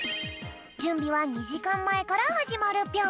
じゅんびは２じかんまえからはじまるぴょん。